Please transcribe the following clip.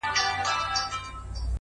صبر د وخت له ازموینې سره مل وي.!